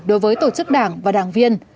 đối với tổ chức đảng và đảng viên